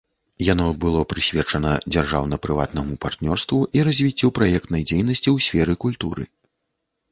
Яно было прысвечана дзяржаўна-прыватнаму партнёрству і развіццю праектнай дзейнасці ў сферы культуры.